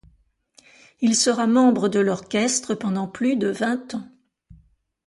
Il sera membre de l'orchestre pendant plus de vingt ans.